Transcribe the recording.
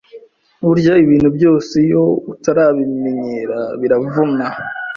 Burya ibintu byose iyo utarabimentera biravuna